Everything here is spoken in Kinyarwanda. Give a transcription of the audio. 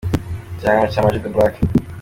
Igihangano cya Ama G The Black.